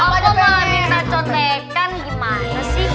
apa yang aku mau minta contekan gimana sih